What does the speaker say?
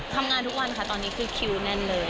ทำงานทุกวันค่ะตอนนี้คือคิวแน่นเลย